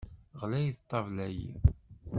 Ɣlayet ṭṭabla-yi.